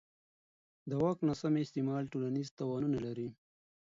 د واک ناسم استعمال ټولنیز تاوانونه لري